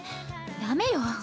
ダメよ。